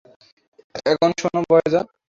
এখন শোন, বয়েজ!